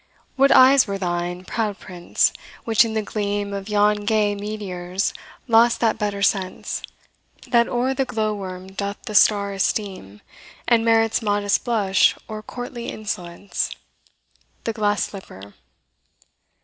What eyes were thine, proud Prince, which in the gleam Of yon gay meteors lost that better sense, That o'er the glow worm doth the star esteem, And merit's modest blush o'er courtly insolence? THE GLASS SLIPPER.